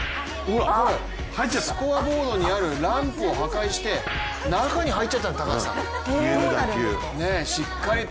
スコアボードにあるランプを破壊して中に入っちゃった。